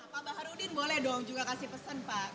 pak baharudin boleh dong juga kasih pesan pak